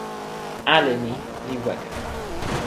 ale ni li weka.